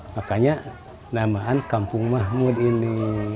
makanya namaan kampung mahmud ini